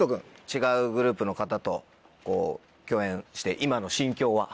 違うグループの方と共演して今の心境は。